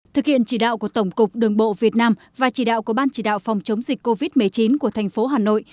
thực hiện chỉ đạo của tổng cục đường bộ việt nam và chỉ đạo của ban chỉ đạo phòng chống dịch covid một mươi chín của thành phố hà nội